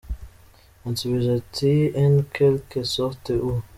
Ansubiza ati en quelques sortes oui.